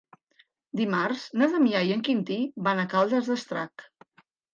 Dimarts na Damià i en Quintí van a Caldes d'Estrac.